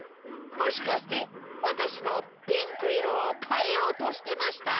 もしかしてわたしのピンクいろをかえようとしてました？